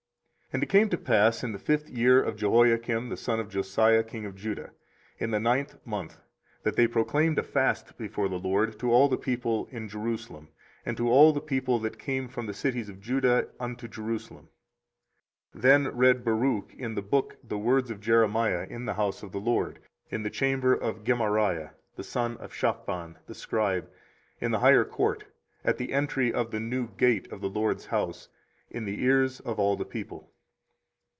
24:036:009 And it came to pass in the fifth year of Jehoiakim the son of Josiah king of Judah, in the ninth month, that they proclaimed a fast before the LORD to all the people in Jerusalem, and to all the people that came from the cities of Judah unto Jerusalem. 24:036:010 Then read Baruch in the book the words of Jeremiah in the house of the LORD, in the chamber of Gemariah the son of Shaphan the scribe, in the higher court, at the entry of the new gate of the LORD's house, in the ears of all the people.